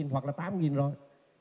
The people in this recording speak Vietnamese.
hoặc là tám rồi